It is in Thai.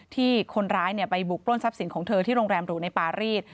ที่คนร้ายไปบุกปล้นทรัพย์สินของเธอที่โรงแรมหรูในปารีส